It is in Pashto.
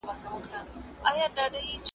پکښی وینو به یارانو د رڼا د بري څلی .